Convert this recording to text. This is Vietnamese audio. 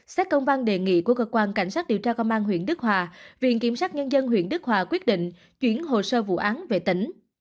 xét công văn đề nghị của cơ quan cảnh sát điều tra công an huyện đức hòa viện kiểm sát nhân dân huyện đức hòa quyết định chuyển hồ sơ vụ án về tỉnh